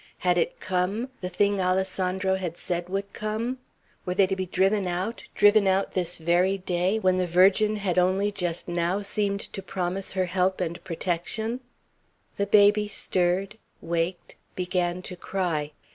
Had it come, the thing Alessandro had said would come? Were they to be driven out, driven out this very day, when the Virgin had only just now seemed to promise her help and protection? The baby stirred, waked, began to cry.